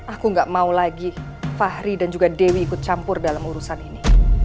aku gak mau lagi fahri dan juga dewi ikut campur dalam urusan ini